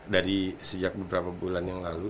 dari sejak beberapa bulan yang lalu